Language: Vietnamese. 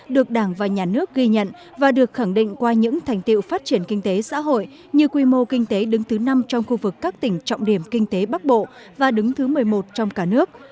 được đảng và nhà nước ghi nhận và được khẳng định qua những thành tiệu phát triển kinh tế xã hội như quy mô kinh tế đứng thứ năm trong khu vực các tỉnh trọng điểm kinh tế bắc bộ và đứng thứ một mươi một trong cả nước